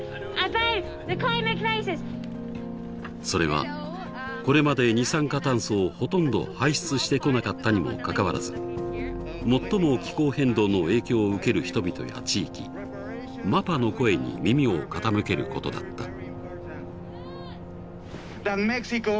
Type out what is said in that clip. それはこれまで二酸化炭素をほとんど排出してこなかったにもかかわらず最も気候変動の影響を受ける人々や地域「ＭＡＰＡ」の声に耳を傾けることだった。